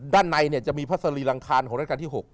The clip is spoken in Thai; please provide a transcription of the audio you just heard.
ด้านในเนี่ยจะมีพระศรีรังคารของรัชกรรมที่๖